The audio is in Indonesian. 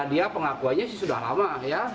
dia pengakuannya sih sudah lama ya